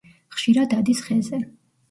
ხშირად ადის ხეზე.